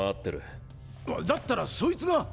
だったらそいつが！